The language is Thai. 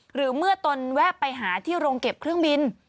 หรือเมื่อตนแวะไปหาที่โรงเก็บเครื่องบิน